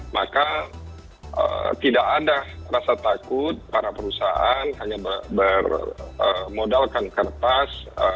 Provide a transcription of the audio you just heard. maka tidak ada rasa takut para perusahaan hanya bermodalkan kertas